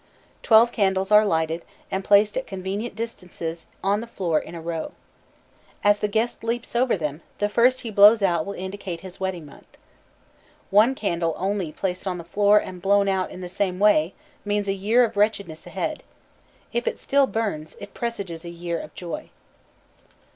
Twelve candles are lighted, and placed at convenient distances on the floor in a row. As the guest leaps over them, the first he blows out will indicate his wedding month. One candle only placed on the floor and blown out in the same way means a year of wretchedness ahead. If it still burns, it presages a year of joy.